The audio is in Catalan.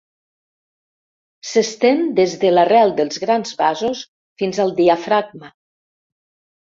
S'estén des de l'arrel dels grans vasos fins al diafragma.